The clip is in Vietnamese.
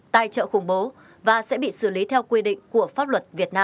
tài trợ khủng bố và sẽ bị xử lý theo quy định của pháp luật việt nam